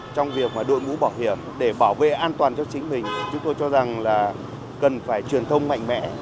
trong việc đội mũ bảo hiểm để bảo vệ an toàn cho chính mình chúng tôi cho rằng là cần phải truyền thông mạnh mẽ